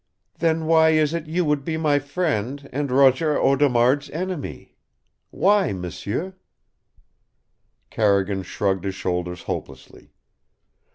Then why is it you would be my friend and Roger Audemard's enemy? Why, m'sieu?" Carrigan shrugged his shoulders hopelessly.